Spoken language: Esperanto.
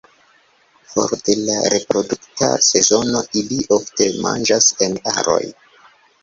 For de la reprodukta sezono ili ofte manĝas en aroj.